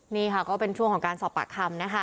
นี่ค่ะก็เป็นช่วงของการสอบปากคำนะคะ